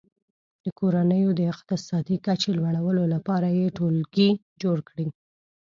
د کورنیو د اقتصادي کچې لوړولو لپاره یې ټولګي جوړ کړي.